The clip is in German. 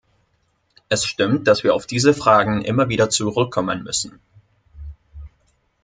Es stimmt, dass wir auf diese Fragen immer wieder zurückkommen müssen.